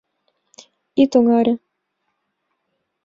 — Ит оҥаре!